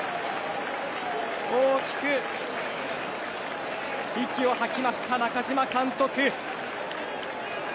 大きく息を吐きました、中嶋監督。